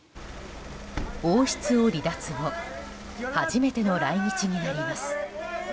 王室を離脱後初めての来日になります。